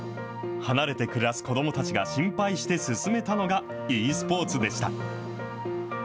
離れて暮らす子どもたちが心配して勧めたのがｅスポーツでした。